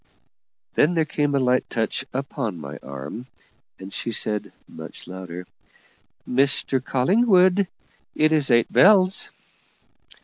Then there came a light touch upon my arm, and she said, much louder, "Mr Collingwood, it is eight bells."